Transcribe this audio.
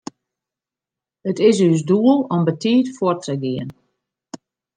It is ús doel om betiid fuort te gean.